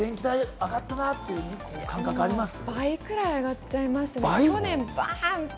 上がったなっていう感覚はありますか？